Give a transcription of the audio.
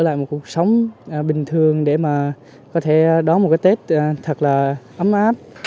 lại một cuộc sống bình thường để mà có thể đón một cái tết thật là ấm áp